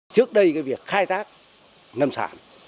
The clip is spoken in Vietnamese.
trước đây cái việc khai tác nâm sản